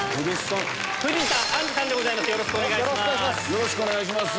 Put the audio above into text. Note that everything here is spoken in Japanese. よろしくお願いします。